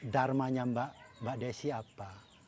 darmanya mbak desy apa